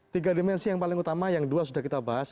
tiga dimensi yang paling utama yang dua sudah kita bahas